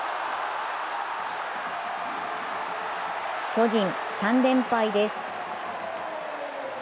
巨人、３連敗です。